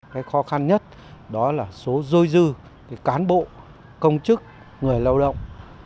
cái khó khăn nhất đó là số dôi dư cán bộ công chức người lao động